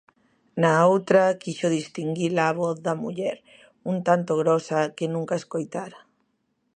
Na outra quixo distingui-la voz da muller, un tanto grosa, que nunca escoitara.